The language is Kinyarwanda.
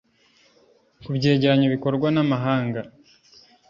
Ku byegeranyo bikorwa n’amahanga